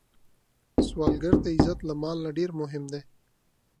سوالګر ته عزت له مال نه ډېر مهم دی